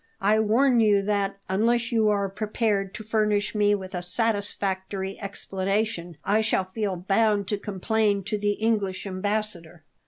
I warn you that, unless you are prepared to furnish me with a satisfactory explanation, I shall feel bound to complain to the English Ambassador."